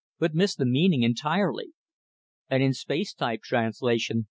but miss the meaning entirely. And in space type translation